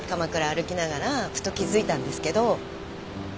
歩きながらふと気付いたんですけど。